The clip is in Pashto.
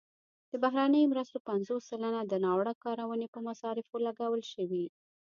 د بهرنیو مرستو پنځوس سلنه د ناوړه کارونې په مصارفو لګول شوي.